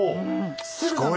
すごい。